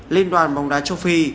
liên đoàn bóng đá châu phi